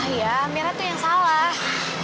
ah ya amira tuh yang salah